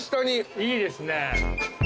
いいですね。